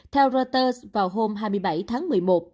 theo reuters vào hôm hai mươi bảy tháng một mươi một